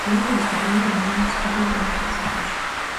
გადაცემის გადაღებები მიმდინარეობს ცნობილ პიროვნებათა სახლებში.